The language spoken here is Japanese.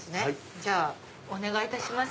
じゃあお願いいたします。